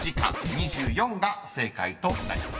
［「２４」が正解となります］